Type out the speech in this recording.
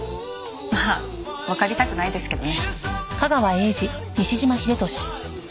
まあわかりたくないですけどね。